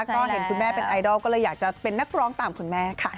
ก็เห็นคุณแม่เป็นไอดอลก็เลยอยากจะเป็นนักร้องตามคุณแม่ค่ะ